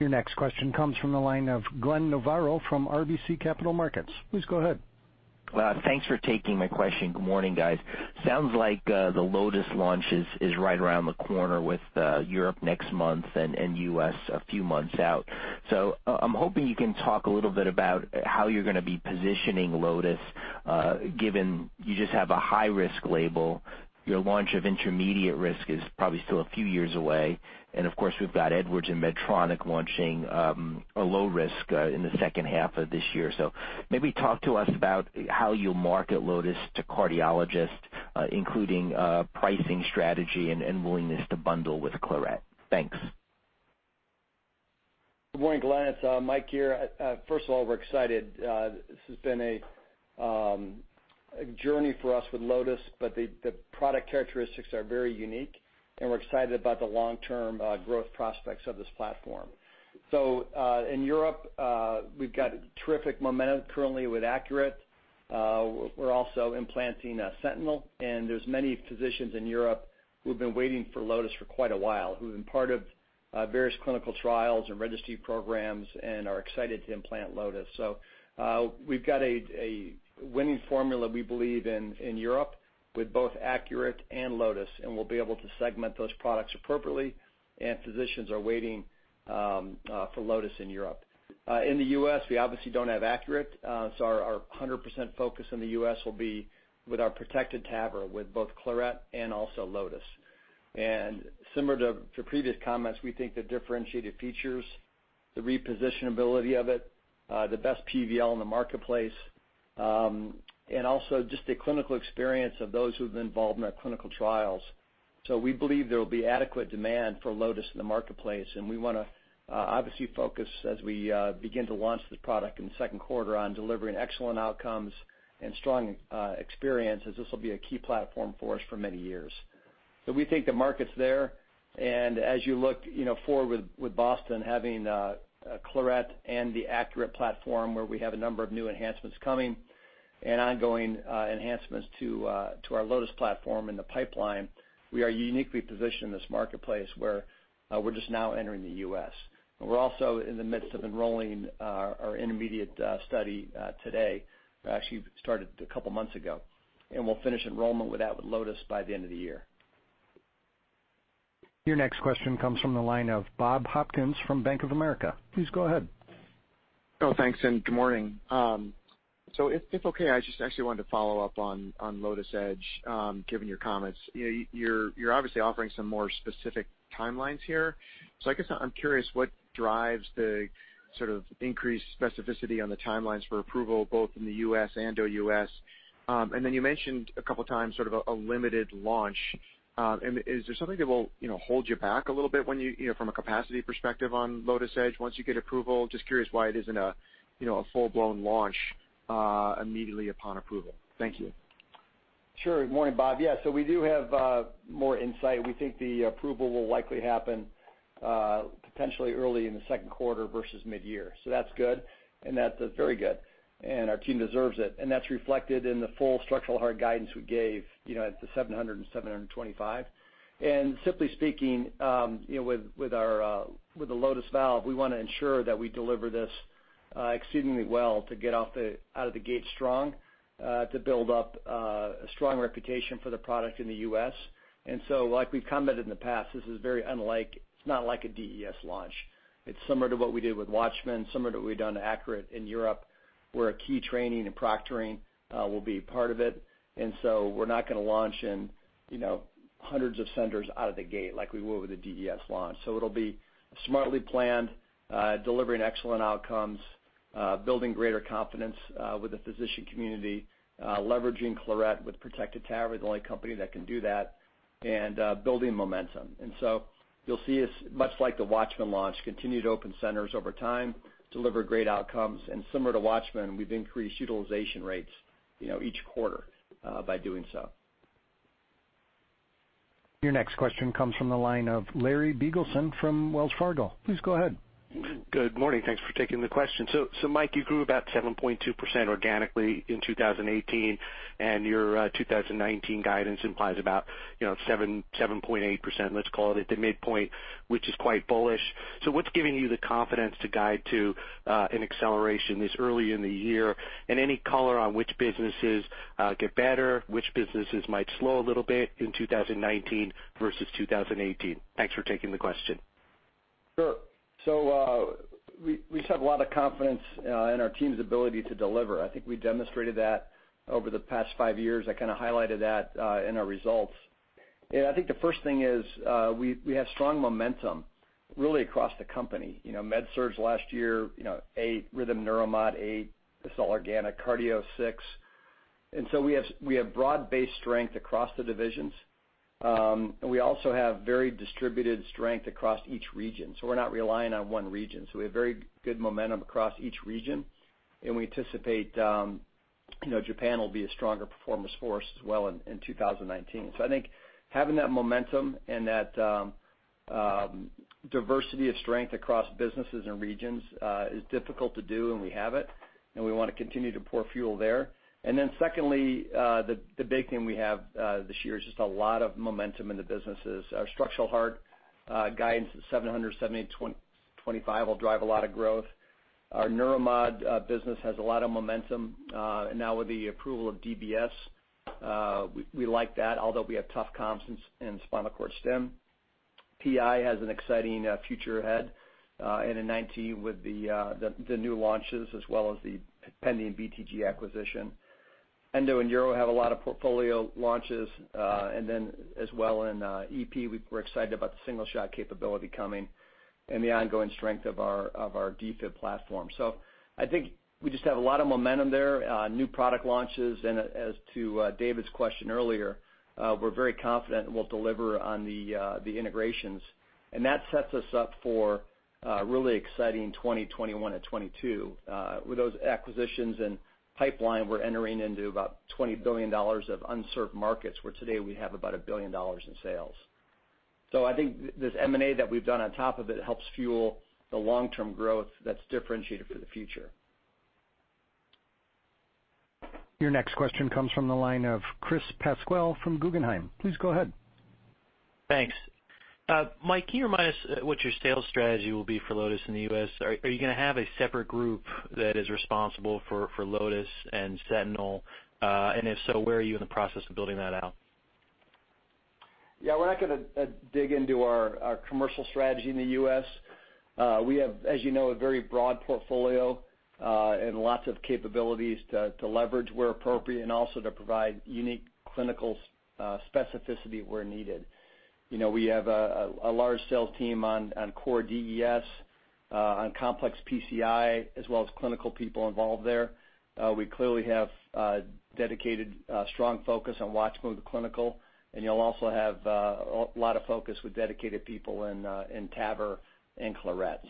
Your next question comes from the line of Glenn Novarro from RBC Capital Markets. Please go ahead. Thanks for taking my question. Good morning, guys. Sounds like the Lotus launch is right around the corner with Europe next month and U.S. a few months out. I'm hoping you can talk a little bit about how you're going to be positioning Lotus given you just have a high-risk label. Your launch of intermediate risk is probably still a few years away. Of course, we've got Edwards and Medtronic launching a low risk in the second half of this year. Maybe talk to us about how you market Lotus to cardiologists, including pricing strategy and willingness to bundle with Claret. Thanks. Good morning, Glenn. It's Mike here. First of all, we're excited. This has been a journey for us with Lotus, the product characteristics are very unique, we're excited about the long-term growth prospects of this platform. In Europe, we've got terrific momentum currently with ACURATE. We're also implanting SENTINEL, there's many physicians in Europe who have been waiting for Lotus for quite a while, who have been part of various clinical trials and registry programs and are excited to implant Lotus. We've got a winning formula we believe in in Europe with both ACURATE and Lotus, we'll be able to segment those products appropriately, physicians are waiting for Lotus in Europe. In the U.S., we obviously don't have ACURATE, our 100% focus in the U.S. will be with our Protected TAVR or with both Claret and also Lotus. Similar to previous comments, we think the differentiated features, the repositionability of it, the best PVL in the marketplace, and also just the clinical experience of those who have been involved in our clinical trials. We believe there will be adequate demand for Lotus in the marketplace, and we want to obviously focus as we begin to launch this product in the second quarter on delivering excellent outcomes and strong experiences. This will be a key platform for us for many years. We think the market's there, and as you look forward with Boston having Claret and the ACURATE platform where we have a number of new enhancements coming. Ongoing enhancements to our Lotus platform in the pipeline, we are uniquely positioned in this marketplace where we're just now entering the U.S. We're also in the midst of enrolling our intermediate study today. We actually started a couple of months ago, and we'll finish enrollment with that with Lotus by the end of the year. Your next question comes from the line of Bob Hopkins from Bank of America. Please go ahead. Thanks, and good morning. If okay, I just actually wanted to follow up on Lotus Edge, given your comments. You're obviously offering some more specific timelines here. I guess I'm curious what drives the sort of increased specificity on the timelines for approval, both in the U.S. and OUS. Then you mentioned a couple of times sort of a limited launch. Is there something that will hold you back a little bit from a capacity perspective on Lotus Edge once you get approval? Just curious why it isn't a full-blown launch immediately upon approval. Thank you. Sure. Good morning, Bob. We do have more insight. We think the approval will likely happen potentially early in the second quarter versus mid-year. That's good, and that's very good, and our team deserves it, and that's reflected in the full structural heart guidance we gave at the $700 and $725. Simply speaking, with the Lotus valve, we want to ensure that we deliver this exceedingly well to get out of the gate strong, to build up a strong reputation for the product in the U.S. Like we've commented in the past, this is very unlike, it's not like a DES launch. It's similar to what we did with WATCHMAN, similar to what we've done ACURATE in Europe, where a key training and proctoring will be part of it. We're not going to launch in hundreds of centers out of the gate like we would with a DES launch. It'll be smartly planned, delivering excellent outcomes, building greater confidence with the physician community, leveraging Claret with Protected TAVR, the only company that can do that, and building momentum. You'll see us, much like the WATCHMAN launch, continue to open centers over time, deliver great outcomes, and similar to WATCHMAN, we've increased utilization rates each quarter by doing so. Your next question comes from the line of Larry Biegelsen from Wells Fargo. Please go ahead. Good morning. Thanks for taking the question. Mike, you grew about 7.2% organically in 2018, and your 2019 guidance implies about 7.8%, let's call it, at the midpoint, which is quite bullish. What's giving you the confidence to guide to an acceleration this early in the year? Any color on which businesses get better, which businesses might slow a little bit in 2019 versus 2018? Thanks for taking the question. Sure. We just have a lot of confidence in our team's ability to deliver. I think we demonstrated that over the past five years. I kind of highlighted that in our results. I think the first thing is we have strong momentum really across the company. MedSurg last year, 8%, Rhythm Neuromod, 8%. It's all organic. Cardio, 6%. We have broad-based strength across the divisions. We also have very distributed strength across each region, so we're not relying on one region. We have very good momentum across each region, and we anticipate Japan will be a stronger performance force as well in 2019. I think having that momentum and that diversity of strength across businesses and regions is difficult to do, and we have it, and we want to continue to pour fuel there. And then secondly, the big thing we have this year is just a lot of momentum in the businesses. Our structural heart guidance at $700 million-$725 million will drive a lot of growth. Our Neuromod business has a lot of momentum. Now with the approval of DBS, we like that, although we have tough comps in spinal cord stim. PI has an exciting future ahead in 2019 with the new launches as well as the pending BTG acquisition. Endo and uro have a lot of portfolio launches, and then as well in EP, we're excited about the single shot capability coming and the ongoing strength of our defib platform. I think we just have a lot of momentum there, new product launches, and as to David's question earlier, we're very confident we'll deliver on the integrations. That sets us up for a really exciting 2021 and 2022. With those acquisitions and pipeline, we're entering into about $20 billion of unserved markets, where today we have about $1 billion in sales. I think this M&A that we've done on top of it helps fuel the long-term growth that's differentiated for the future. Your next question comes from the line of Chris Pasquale from Guggenheim. Please go ahead. Thanks. Mike, can you remind us what your sales strategy will be for Lotus in the U.S.? Are you going to have a separate group that is responsible for Lotus and SENTINEL? If so, where are you in the process of building that out? Yeah, we're not going to dig into our commercial strategy in the U.S. We have, as you know, a very broad portfolio, and lots of capabilities to leverage where appropriate and also to provide unique clinical specificity where needed. We have a large sales team on core DES, on complex PCI, as well as clinical people involved there. We clearly have a dedicated, strong focus on WATCHMAN with the clinical, and you'll also have a lot of focus with dedicated people in TAVR and Claret.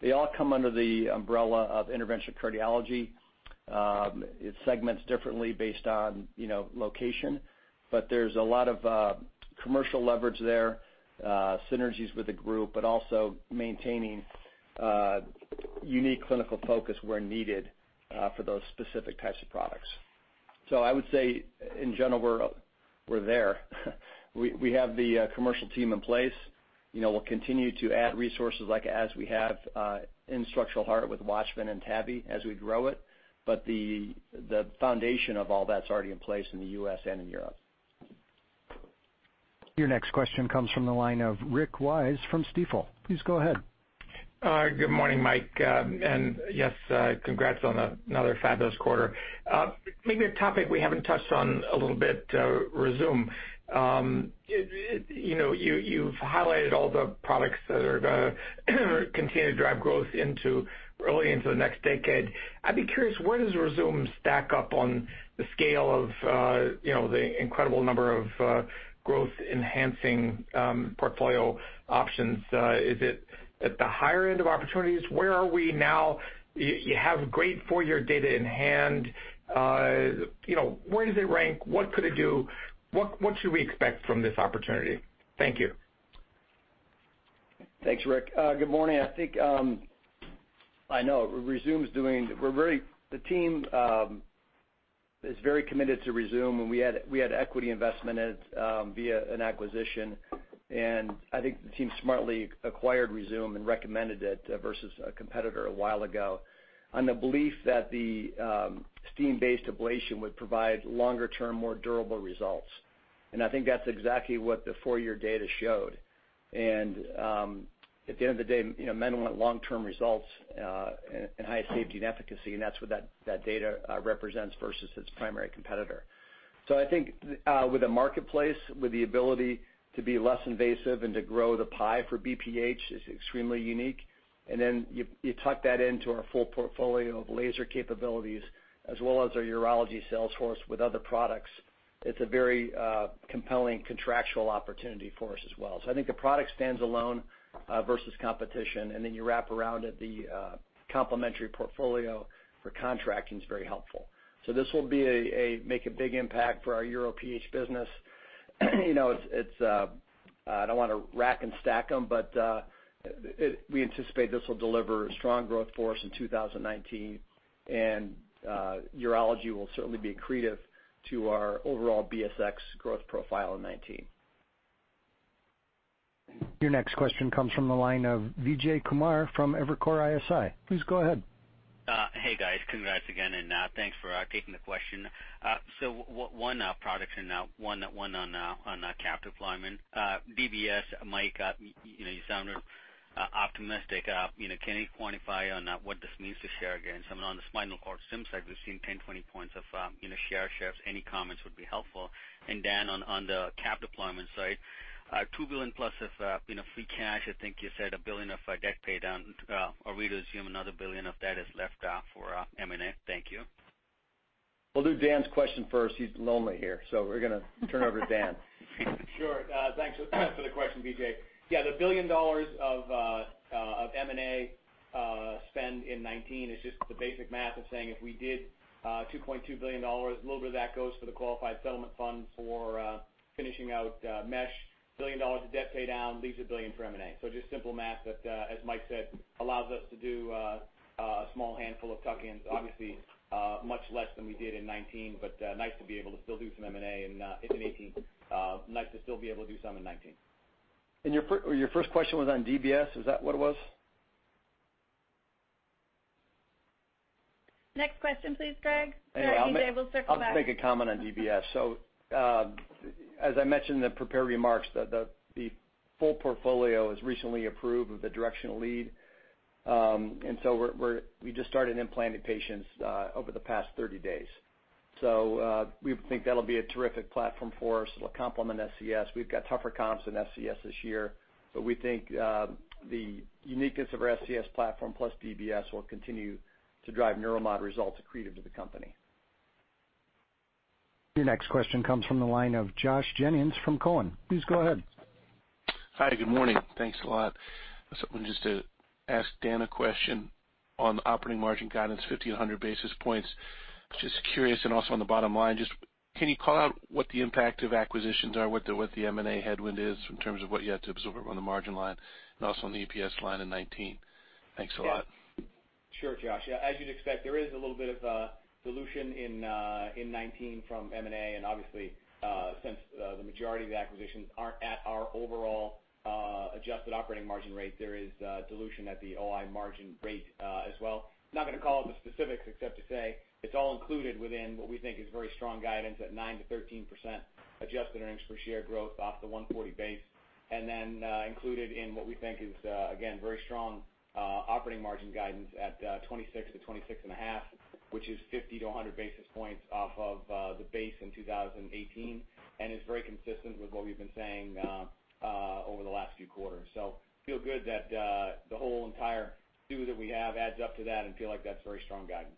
They all come under the umbrella of interventional cardiology. It segments differently based on location, but there's a lot of commercial leverage there, synergies with the group, but also maintaining unique clinical focus where needed for those specific types of products. I would say in general, we're there. We have the commercial team in place. We'll continue to add resources like as we have in structural heart with WATCHMAN and TAVR as we grow it. The foundation of all that's already in place in the U.S. and in Europe. Your next question comes from the line of Rick Wise from Stifel. Please go ahead. Good morning, Mike. Yes, congrats on another fabulous quarter. A topic we haven't touched on a little bit, Rezūm. You've highlighted all the products that are going to continue to drive growth early into the next decade. I'd be curious, where does Rezūm stack up on the scale of the incredible number of growth-enhancing portfolio options? Is it at the higher end of opportunities? Where are we now? You have great four-year data in hand. Where does it rank? What could it do? What should we expect from this opportunity? Thank you. Thanks, Rick. Good morning. I know the team is very committed to Rezūm. We had equity investment in it via an acquisition. I think the team smartly acquired Rezūm and recommended it versus a competitor a while ago on the belief that the steam-based ablation would provide longer-term, more durable results. I think that's exactly what the four-year data showed. At the end of the day, men want long-term results and high safety and efficacy, and that's what that data represents versus its primary competitor. I think with the marketplace, with the ability to be less invasive and to grow the pie for BPH is extremely unique. Then you tuck that into our full portfolio of laser capabilities as well as our Urology sales force with other products. It's a very compelling contractual opportunity for us as well. I think the product stands alone versus competition, and then you wrap around it the complementary portfolio for contracting is very helpful. This will make a big impact for our UroPH business. I don't want to rack and stack them, but we anticipate this will deliver strong growth for us in 2019, and Urology will certainly be accretive to our overall BSX growth profile in 2019. Your next question comes from the line of Vijay Kumar from Evercore ISI. Please go ahead. Hey, guys. Congrats again, thanks for taking the question. One product and one on cap deployment. DBS, Mike, you sounded optimistic. Can you quantify on what this means to share gains? I mean, on the spinal cord stim side, we've seen 10, 20 points of share shifts. Any comments would be helpful. Dan, on the cap deployment side, $2 billion+ of free cash, I think you said $1 billion of debt pay down, or we assume another $1 billion of that is left for M&A. Thank you. We'll do Dan's question first. He's lonely here, we're going to turn over to Dan. Sure. Thanks for the question, Vijay. The $1 billion of M&A spend in 2019 is just the basic math of saying if we did $2.2 billion, a little bit of that goes for the qualified settlement fund for finishing out mesh, $1 billion of debt pay down leaves $1 billion for M&A. Just simple math that, as Mike said, allows us to do a small handful of tuck-ins, obviously much less than we did in 2019, but nice to be able to still do some M&A in 2018. Nice to still be able to do some in 2019. Your first question was on DBS? Is that what it was? Next question please, Greg. Vijay, we'll circle back. I'll just make a comment on DBS. As I mentioned in the prepared remarks, the full portfolio is recently approved with a directional lead. We just started implanting patients over the past 30 days. We think that'll be a terrific platform for us. It'll complement SCS. We've got tougher comps in SCS this year, but we think the uniqueness of our SCS platform plus DBS will continue to drive Neuromod results accretive to the company. Your next question comes from the line of Josh Jennings from Cowen. Please go ahead. Hi, good morning. Thanks a lot. I just want to ask Dan a question on operating margin guidance 50-100 basis points. Just curious, and also on the bottom line, just can you call out what the impact of acquisitions are, what the M&A headwind is in terms of what you had to absorb on the margin line and also on the EPS line in 2019? Thanks a lot. Sure, Josh. As you'd expect, there is a little bit of dilution in 2019 from M&A. Obviously, since the majority of the acquisitions aren't at our overall adjusted operating margin rate, there is dilution at the OI margin rate as well. Not going to call out the specifics except to say it's all included within what we think is very strong guidance at 9%-13% adjusted earnings per share growth off the $1.40 base. Included in what we think is, again, very strong operating margin guidance at 26%-26.5%, which is 50-100 basis points off of the base in 2018 and is very consistent with what we've been saying over the last few quarters. Feel good that the whole entire stew that we have adds up to that and feel like that's very strong guidance.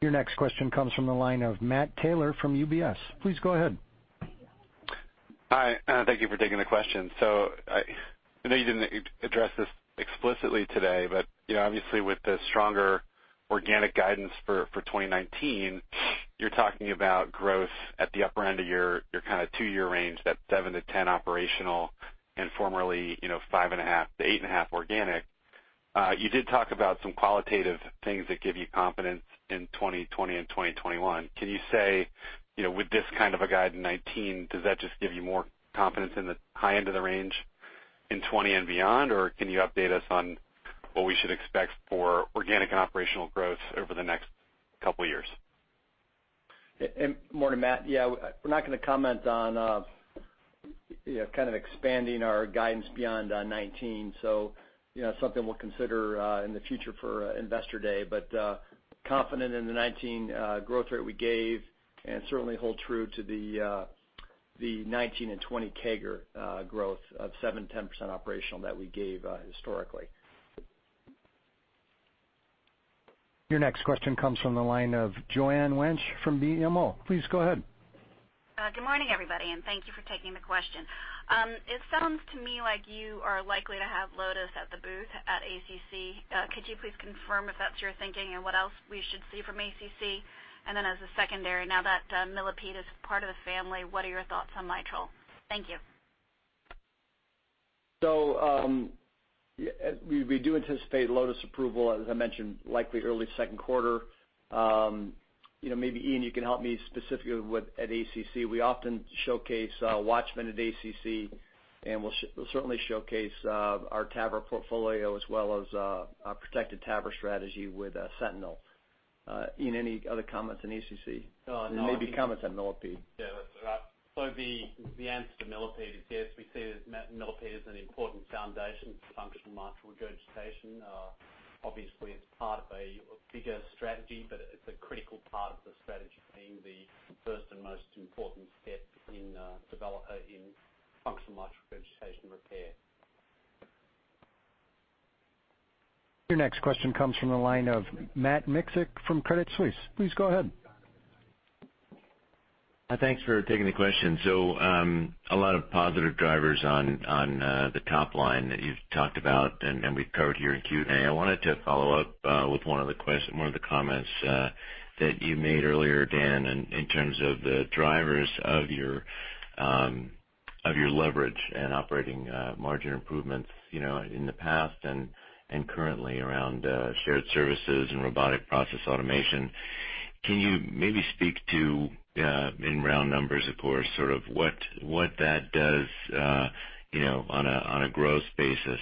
Your next question comes from the line of Matt Taylor from UBS. Please go ahead. Hi, thank you for taking the question. I know you didn't address this explicitly today, but obviously with the stronger organic guidance for 2019, you're talking about growth at the upper end of your two-year range, that 7%-10% operational and formerly 5.5%-8.5% organic. You did talk about some qualitative things that give you confidence in 2020 and 2021. Can you say, with this kind of a guide in 2019, does that just give you more confidence in the high end of the range in 2020 and beyond? Or can you update us on what we should expect for organic and operational growth over the next couple of years? Good morning, Matt. We're not going to comment on expanding our guidance beyond 2019. Something we'll consider in the future for Investor Day. Confident in the 2019 growth rate we gave and certainly hold true to the 2019 and 2020 CAGR growth of 7%-10% operational that we gave historically. Your next question comes from the line of Joanne Wuensch from BMO. Please go ahead. Good morning, everybody, and thank you for taking the question. It sounds to me like you are likely to have Lotus at the booth at ACC. Could you please confirm if that's your thinking and what else we should see from ACC? As a secondary, now that Millipede is part of the family, what are your thoughts on mitral? Thank you. We do anticipate Lotus approval, as I mentioned, likely early second quarter. Maybe Ian, you can help me specifically with at ACC. We often showcase WATCHMAN at ACC, we'll certainly showcase our TAVR portfolio as well as our Protected TAVR strategy with SENTINEL. Ian, any other comments on ACC? Maybe comments on Millipede. Yeah, that's all right. The answer to Millipede is yes, we see that Millipede is an important foundation for functional mitral regurgitation. Obviously, it's part of a bigger strategy, but it's a critical part of the strategy being the first and most important step in functional mitral regurgitation repair. Your next question comes from the line of Matt Miksic from Credit Suisse. Please go ahead. Thanks for taking the question. A lot of positive drivers on the top line that you've talked about, and we've covered here in Q&A. I wanted to follow up with one of the comments that you made earlier, Dan, in terms of the drivers of your leverage and operating margin improvements in the past and currently around shared services and robotic process automation. Can you maybe speak to, in round numbers, of course, sort of what that does on a growth basis?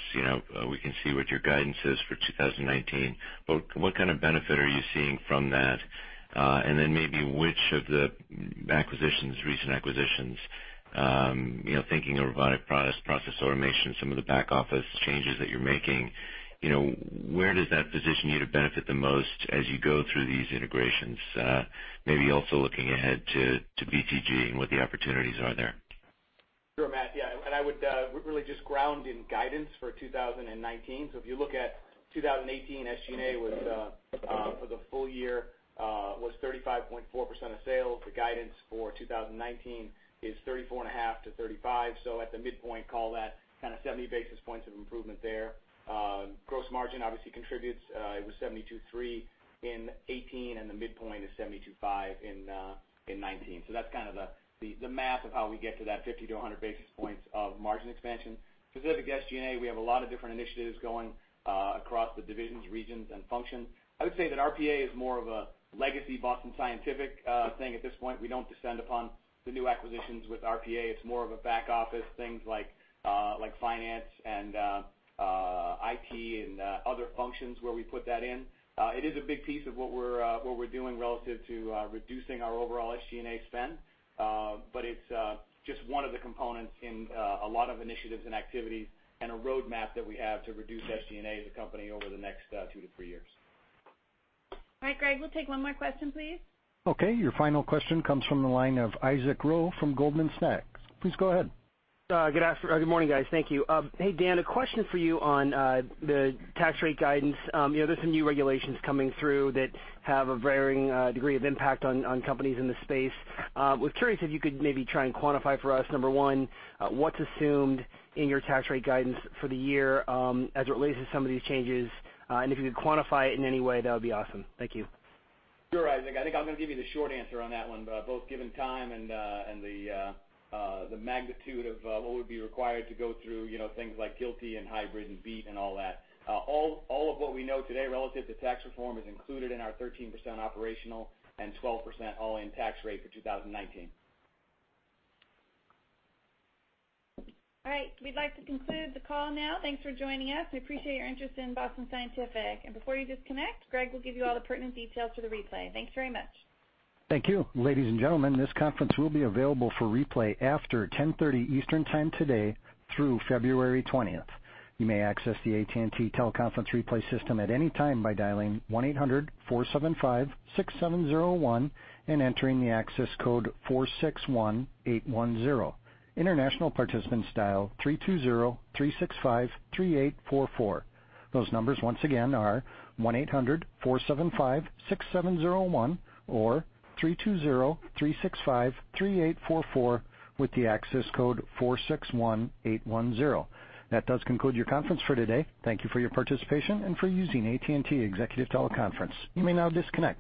We can see what your guidance is for 2019. What kind of benefit are you seeing from that? And then maybe which of the recent acquisitions, thinking of robotic process automation, some of the back office changes that you're making, where does that position you to benefit the most as you go through these integrations? Maybe also looking ahead to BTG and what the opportunities are there. Sure Matt, I would really just ground in guidance for 2019. If you look at 2018, SG&A for the full year was 35.4% of sales. The guidance for 2019 is 34.5%-35%. At the midpoint, call that 70 basis points of improvement there. Gross margin obviously contributes, it was 72.3% in 2018, and the midpoint is 72.5% in 2019. That's kind of the math of how we get to that 50-100 basis points of margin expansion. Specific to SG&A, we have a lot of different initiatives going across the divisions, regions, and functions. I would say that RPA is more of a legacy Boston Scientific thing at this point. We don't descend upon the new acquisitions with RPA. It's more of a back office, things like finance and IT and other functions where we put that in. It is a big piece of what we're doing relative to reducing our overall SG&A spend. It's just one of the components in a lot of initiatives and activities and a roadmap that we have to reduce SG&A as a company over the next 2-3 years. All right, Greg, we'll take one more question, please. Okay, your final question comes from the line of Isaac Ro from Goldman Sachs. Please go ahead. Good morning, guys. Thank you. Hey, Dan, a question for you on the tax rate guidance. There's some new regulations coming through that have a varying degree of impact on companies in this space. Was curious if you could maybe try and quantify for us, number one, what's assumed in your tax rate guidance for the year as it relates to some of these changes, and if you could quantify it in any way, that would be awesome. Thank you. Sure, Isaac. I think I'm going to give you the short answer on that one, both given time and the magnitude of what would be required to go through things like GILTI and hybrid and BEAT and all that. All of what we know today relative to tax reform is included in our 13% operational and 12% all-in tax rate for 2019. All right. We'd like to conclude the call now. Thanks for joining us. We appreciate your interest in Boston Scientific. Before you disconnect, Greg will give you all the pertinent details for the replay. Thanks very much. Thank you. Ladies and gentlemen, this conference will be available for replay after 10:30 Eastern Time today through February 20th. You may access the AT&T teleconference replay system at any time by dialing 1-800-475-6701 and entering the access code 461810. International participants dial 3203653844. Those numbers once again are 1-800-475-6701 or 3203653844 with the access code 461810. That does conclude your conference for today. Thank you for your participation and for using AT&T Executive Teleconference. You may now disconnect.